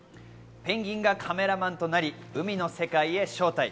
ペンギンがカメラマンとなり、海の世界へ招待。